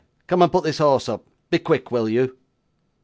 Come and put this horse up. Be quick, will you!